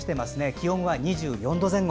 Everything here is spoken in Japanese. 気温は２４度前後。